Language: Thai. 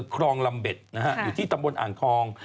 คลองลำเบ็ดนะฮะอยู่ที่ตำบลอ่างทอง